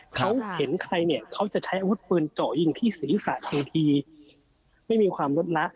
เขาเห็นใครเขาจะใช้อาวุธเปิร์นเจาะยิงที่ศิริษะทางทีไม่มีความรับละ